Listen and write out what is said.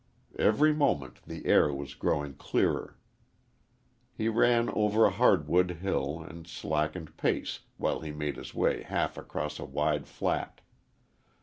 Every moment the air was growing clearer. He ran over a hard wood hill and slackened pace while he made his way half across a wide flat.